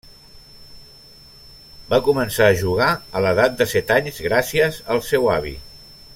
Va començar a jugar a l'edat de set anys gràcies al seu avi.